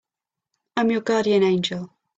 I'm your guardian angel.